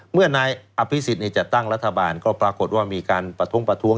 เมื่อนายอภิษฎจัดตั้งรัฐบาลก็ปรากฏว่ามีการประท้วงประท้วง